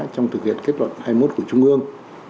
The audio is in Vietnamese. trong thực hiện kết luận hai mươi một của trung ương